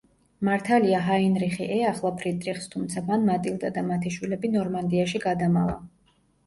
მართალია ჰაინრიხი ეახლა ფრიდრიხს, თუმცა მან მატილდა და მათი შვილები ნორმანდიაში გადამალა.